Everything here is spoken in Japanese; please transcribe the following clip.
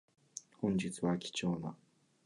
本日は貴重な